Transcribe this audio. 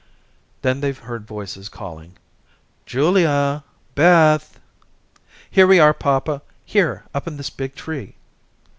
Then they heard voices calling: "Julia, Beth." "Here we are, papa. Here, up in this big tree."